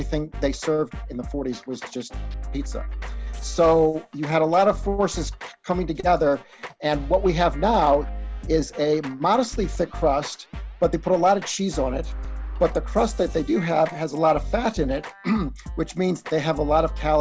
pemilik restoran telah menawarkan ukuran pizza yang tersebut tidak terlalu tebal